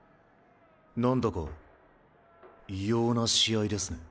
何だか異様な試合ですね。